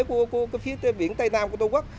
của phía biển tây nam của đông quốc